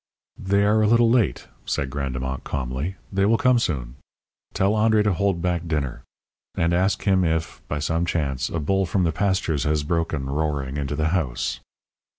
"They are a little late," said Grandemont, calmly. "They will come soon. Tell André to hold back dinner. And ask him if, by some chance, a bull from the pastures has broken, roaring, into the house."